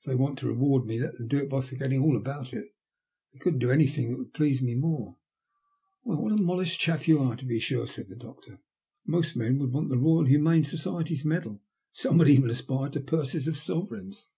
If they want to reward me, let them do it by forgetting iJl about it. They couldn't do anythhig that would please me more." '* Why, what a modest chap you are, to be sure," said the doctor. Most men would want the Boyal Humane Society's medal, and some would even aspire to purses of sovereigns."